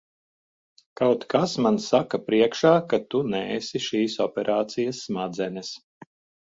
Kaut kas man saka priekšā, ka tu neesi šīs operācijas smadzenes.